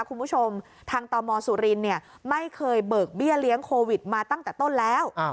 คุณผู้ชมทางตมสุรินไม่เคยเบิกเบี้ยเลี้ยงโควิดมาตั้งแต่ต้นแล้ว